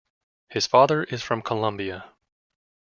His father is from Colombia.